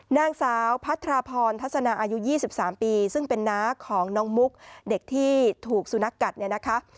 นางสาวพัทรพรทัศนาอายุ๒๓ปีซึ่งเป็นน้าของน้องมุกเด็กที่ถูกสุนัขกัดเนี่ยนะคะ